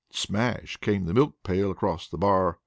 Smash came the milk pail across the bar.